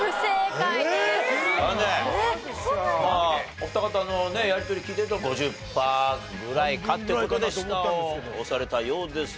お二方のねやりとり聞いてると５０パーぐらいかって事で下を押されたようですが正解は？